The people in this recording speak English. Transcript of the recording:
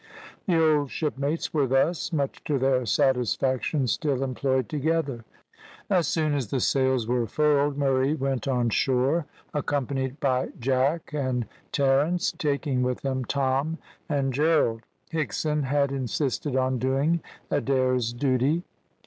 The old shipmates were thus, much to their satisfaction, still employed together. As soon as the sails were furled, Murray went on shore, accompanied by Jack and Terence, taking with them Tom and Gerald. Higson had insisted on doing Adair's duty.